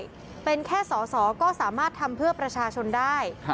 ที่เป็นแค่สอสอก็สามารถทำเพื่อประชาชนได้